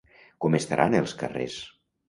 Com estaran els carrers?